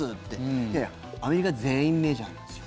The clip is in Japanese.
いやいや、アメリカ全員メジャーなんですよ。